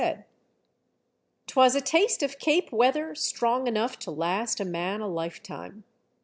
44 THE DEATH SHIP. 'Twas a taste of Cape weather strong enough to last a man a lifetime.